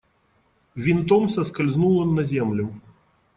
Винтом соскользнул он на землю.